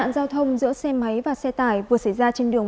không may bị bánh xe tải cán tử vong